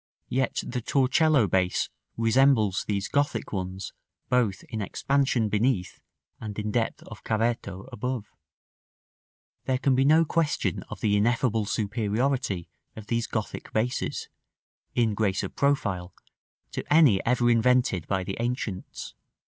Yet the Torcello base resembles these Gothic ones both in expansion beneath and in depth of cavetto above. § VIII. There can be no question of the ineffable superiority of these Gothic bases, in grace of profile, to any ever invented by the ancients.